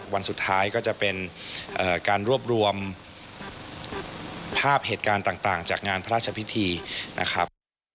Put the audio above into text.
วันสุดท้ายก็จะเป็นการรวบรวมภาพเหตุการณ์ต่างจากงานพระราชพิธีนะครับ